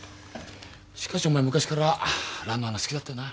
しかしお前昔からランの花好きだったよな。